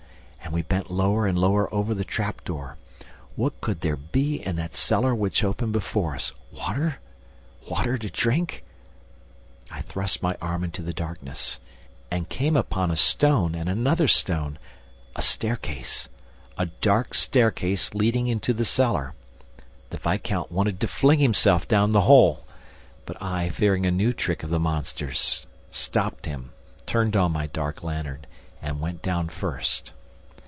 And we bent lower and lower over the trap door. What could there be in that cellar which opened before us? Water? Water to drink? I thrust my arm into the darkness and came upon a stone and another stone ... a staircase ... a dark staircase leading into the cellar. The viscount wanted to fling himself down the hole; but I, fearing a new trick of the monster's, stopped him, turned on my dark lantern and went down first.